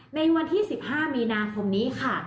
ในวันที่๑๕มีนาคมนี้ค่ะ